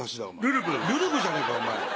『るるぶ』じゃねえかお前。